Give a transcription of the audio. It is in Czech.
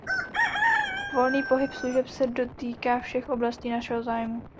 Volný pohyb služeb se dotýká všech oblastí našeho zájmu.